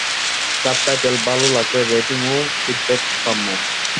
Subtitle ভালো লাগলে rating ও ফিডব্যাক কাম্য।